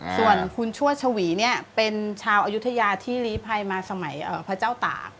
ส่วนคุณชั่วชวีเนี่ยเป็นชาวอยุธยาที่ลีภัยมาสมัยพระเจ้าตาก